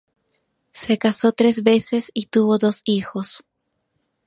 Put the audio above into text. Se casó tres veces y tuvo dos hijos.